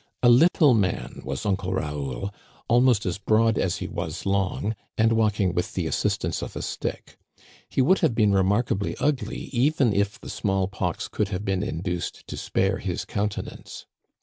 A little man was Uncle Raoul, almost as broad as he was long, and walking with the assistance of a stick ; he would have been remarka bly ugly even if the small pox could have been induced to spare his countenance.